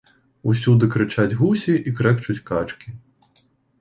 Усюды крычаць гусі і крэкчуць качкі.